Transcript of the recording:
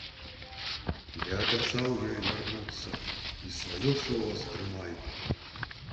Я абяцаў ёй вярнуцца і сваё слова стрымаю.